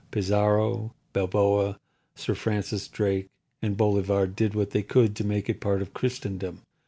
Pizarro, Balboa, Sir Francis Drake, and Bolivar did what they could to make it a part of Christendom.